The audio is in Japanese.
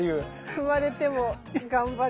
踏まれても頑張る。